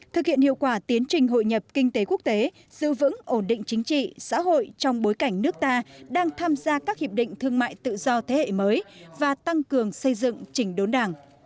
thực hiện hiệu quả tiến trình hội nhập kinh tế quốc tế giữ vững ổn định chính trị xã hội trong bối cảnh nước ta đang tham gia các hiệp định thương mại tự do thế hệ mới và tăng cường xây dựng chỉnh đốn đảng